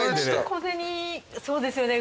小銭そうですよね。